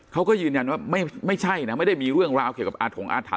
เขาก็ยืนยันว่าไม่ใช่นะไม่ได้มีเรื่องราวเกี่ยวกับอาถงอาถรรพ